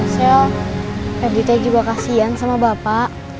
sel pebri teh juga kasian sama bapak